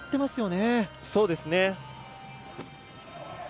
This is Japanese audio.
そうですね。